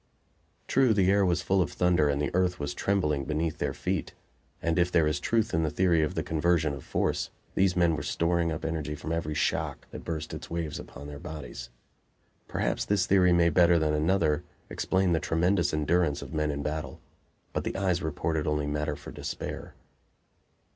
True, the air was full of thunder and the earth was trembling beneath their feet; and if there is truth in the theory of the conversion of force, these men were storing up energy from every shock that burst its waves upon their bodies. Perhaps this theory may better than another explain the tremendous endurance of men in battle. But the eyes reported only matter for despair.